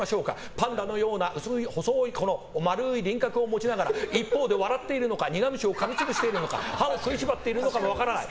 パンダのような丸い輪郭を持ちながら一方で笑っているのか苦虫をかみつぶしているのか歯を食いしばっているのか分からない。